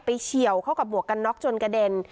เฉียวเข้ากับหมวกกันน็อกจนกระเด็น